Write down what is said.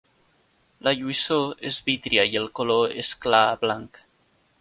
La lluïssor és vítria i el color és clar a blanc.